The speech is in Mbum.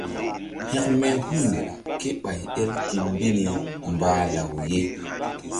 Hekme hul ké ɓay el gi mbi ni mbah law ye.